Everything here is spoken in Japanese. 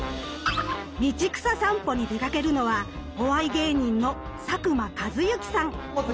道草さんぽに出かけるのはお笑い芸人の佐久間一行さん。